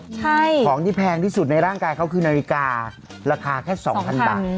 ใช่ของที่แพงที่สุดในร่างกายเขาคือนาฬิการาคาแค่๒๐๐บาท